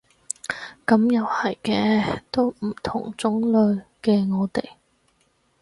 噉又唔係嘅，都唔同種類嘅我哋